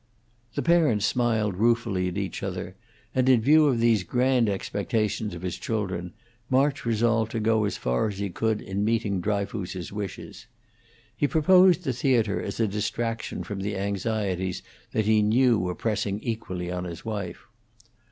The parents smiled ruefully at each other, and, in view of these grand expectations of his children, March resolved to go as far as he could in meeting Dryfoos's wishes. He proposed the theatre as a distraction from the anxieties that he knew were pressing equally on his wife.